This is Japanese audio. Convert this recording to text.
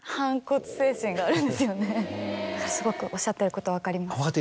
すごくおっしゃってること分かります。